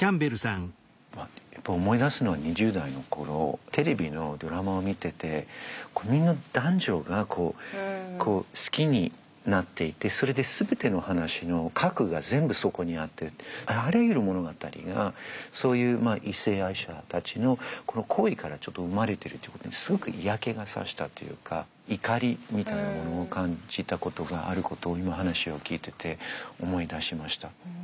やっぱ思い出すのは２０代の頃テレビのドラマを見ててみんな男女がこう好きになっていてそれで全ての話の核が全部そこにあってあらゆる物語がそういう異性愛者たちの行為からちょっと生まれてるってことにすごく嫌気が差したというか怒りみたいなものを感じたことがあることを今話を聞いてて思い出しました。